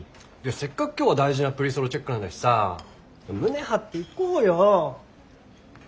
せっかく今日は大事なプリソロチェックなんだしさ胸張っていこうよ。